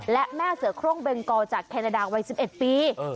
และแม่เสือโครงเบงกอจากแคนาดาวัย๑๑ปี